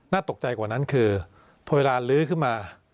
ตกใจกว่านั้นคือพอเวลาลื้อขึ้นมา